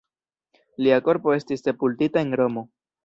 Lia korpo estis sepultita en Romo.